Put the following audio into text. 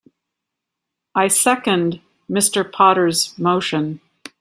I second Mr. Potter's motion.